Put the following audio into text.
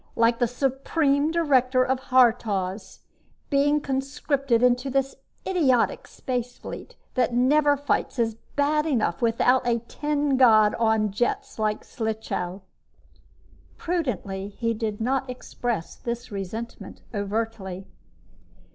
_Like the Supreme Director of Haurtoz! Being conscripted into this idiotic space fleet that never fights is bad enough without a tin god on jets like Slichow!_ Prudently, he did not express this resentment overtly.